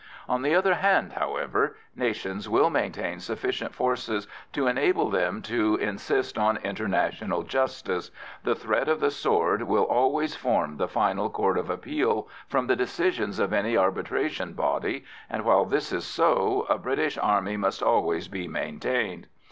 On the other hand, however, nations will maintain sufficient forces to enable them to insist on international justice; the threat of the sword will always form the final court of appeal from the decisions of any arbitration body, and, while this is so, a British army must always be maintained.